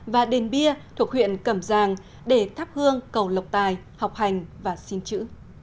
và đền bia thuộc huyện cẩm giang để thắp hương cầu lộc tài học hành và xin chữ